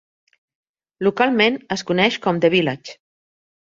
Localment, es coneix com "The Village".